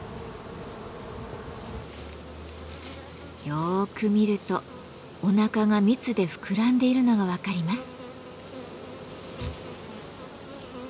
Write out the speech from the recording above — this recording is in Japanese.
よく見るとおなかが蜜で膨らんでいるのが分かります。